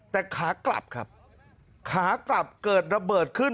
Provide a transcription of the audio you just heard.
แต่ขากลับครับขากลับเกิดระเบิดขึ้น